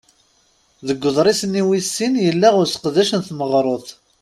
Deg uḍṛis-nni wis sin yella useqdec n tmeɣruḍt.